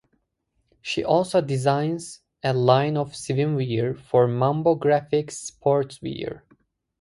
She also designs a line of swimwear for Mambo Graphics sportswear.